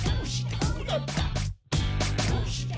「どうして？